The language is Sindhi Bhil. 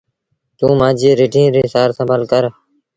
توٚنٚ مآݩجيٚ رڍينٚ ريٚ سآر سنڀآر ڪر۔